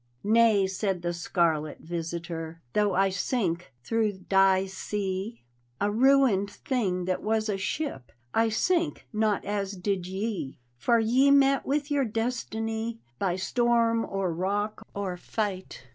" Nay," said the scarlet visitor, "Though I sink through die sea, A ruined thing that was a ship, I sink not as did ye. For ye met with your destiny By storm or rock or tight.